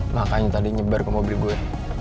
makanya tadi nyebar ke mobil gue